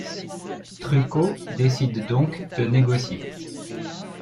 Trucco décide donc de négocier.